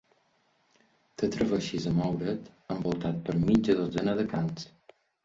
T'atreveixis a moure't envoltat per mitja dotzena de cans.